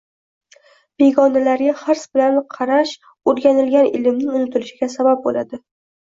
Begonalarga hirs bilan qarasho‘rganilgan ilmning unutilishiga sabab bo'ladi.